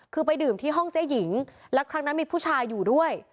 คือไปดื่มที่ห้องเจ๊หญิงและครั้งนั้นมีผู้ชายอยู่ด้วย